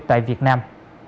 tại việt nam